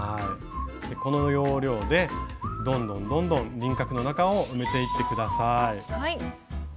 この要領でどんどんどんどん輪郭の中を埋めていって下さい。